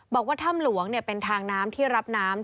ด้านหน่ำห่วงเป็นทางน้ำที่รับน้ำ